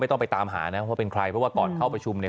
ต้องไปตามหานะว่าเป็นใครเพราะว่าก่อนเข้าประชุมเนี่ย